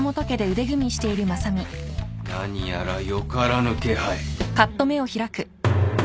何やら良からぬ気配。